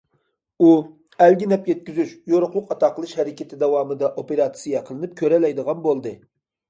ئۇ،‹‹ ئەلگە نەپ يەتكۈزۈش، يورۇقلۇق ئاتا قىلىش ھەرىكىتى›› داۋامىدا ئوپېراتسىيە قىلىنىپ، كۆرەلەيدىغان بولدى.